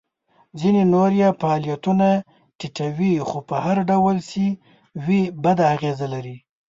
ځینې نور یې فعالیتونه ټیټوي خو په هر ډول چې وي بده اغیزه لري.